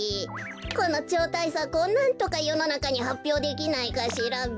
このちょうたいさくをなんとかよのなかにはっぴょうできないかしらべ。